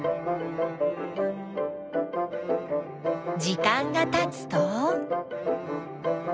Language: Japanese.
時間がたつと。